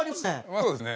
そうですね。